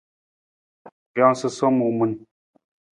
Rijang susowang muu min.